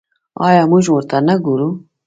آیا موږ ورته نه ګورو؟